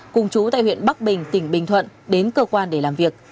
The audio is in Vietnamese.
cùng chú tại huyện bắc bình tỉnh bình thuận đến cơ quan để làm việc